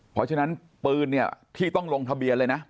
เพราะฉะนั้นปืนเนี่ยที่ต้องลงทะเบียนเลยนะ